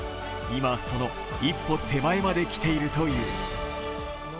今、その一歩手前まで来ているという。